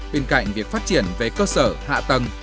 bên cạnh việc phát triển về cơ sở hạ tầng